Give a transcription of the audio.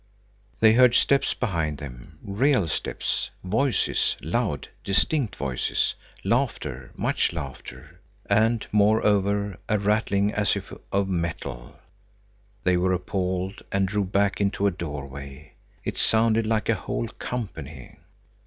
They heard steps behind them, real steps; voices, loud, distinct voices; laughter, much laughter, and, moreover, a rattling as if of metal. They were appalled, and drew back into a doorway. It sounded like a whole company.